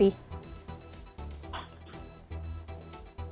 ini yang dibawa ke rumah sakit sama keluarga